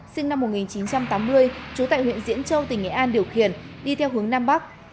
sinh năm một nghìn chín trăm tám mươi trú tại huyện diễn châu tỉnh nghệ an điều khiển đi theo hướng nam bắc